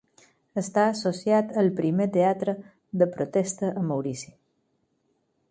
Està associat al primer teatre de protesta a Maurici.